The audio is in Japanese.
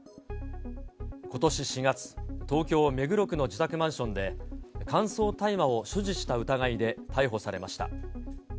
ことし４月、東京・目黒区の自宅マンションで、乾燥大麻を所持した疑いで逮捕されました。